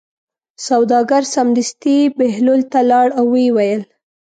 سوداګر سمدستي بهلول ته لاړ او ویې ویل.